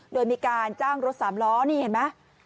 โดยมีการจ้างรถสามล้อนี่เห็นไหม